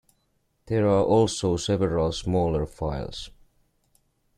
There are also several smaller files.